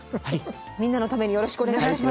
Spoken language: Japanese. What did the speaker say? みんなのためによろしくお願いします。